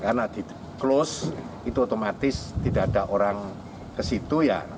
karena di close itu otomatis tidak ada orang ke situ ya